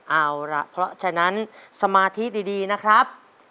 เอาล่ะเพราะฉะนั้นสมาธิดีนะครับ